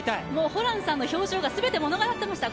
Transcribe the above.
ホランさんの表情が全て物語っていました。